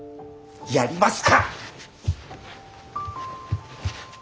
やりますか！